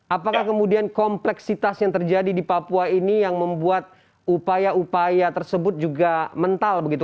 apakah kemudian kompleksitas yang terjadi di papua ini yang membuat upaya upaya tersebut juga mental begitu